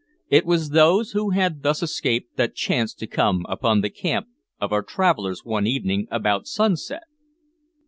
It was those who had thus escaped that chanced to come upon the camp of our travellers one evening about sunset.